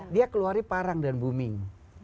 dia keluari parang dan booming